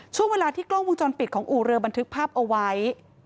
ช่วงเวลาที่กล้องวงจรปิดของอู่เรือบันทึกภาพเอาไว้